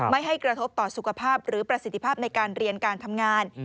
ไม่ให้กระทบต่อสุขภาพหรือประสิทธิภาพในการเรียนการทำงาน